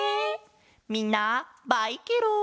みんなバイケロン！